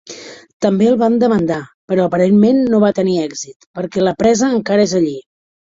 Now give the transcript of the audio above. També el van demandar, però aparentment no va tenir èxit perquè la presa encara és allí.